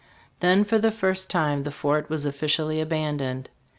Then for the first time the fort was of ficially abandoned.